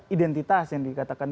identitas yang dikatakan